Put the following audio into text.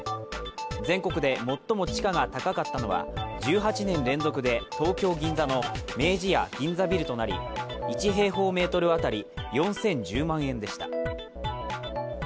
全国で最も地価が高かったのは１８年連続で東京・銀座の明治屋銀座ビルとなり１平方メートル当たり４０１０万円でした。